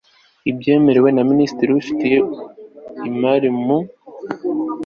bibyemerewe na minisitiri ufite imari mu